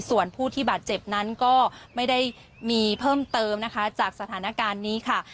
ส่วนผู้ที่บาดเจ็บนั้นก็ไม่ได้มีเพิ่มเติมนะคะจากสถานการณ์นี้ค่ะ